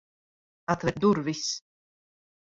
Atver durvis!